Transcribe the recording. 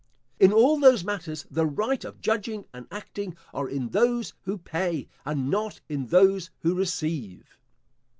In all those matters the right of judging and acting are in those who pay, and not in those who receive.